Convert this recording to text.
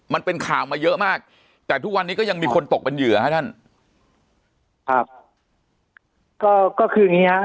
มันเป็นข่าวมาเยอะมากแต่ทุกวันนี้ก็ยังมีคนตกเป็นเหยื่อฮะท่านครับก็คืออย่างงี้ฮะ